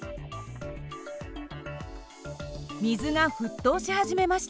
水が沸騰し始めました。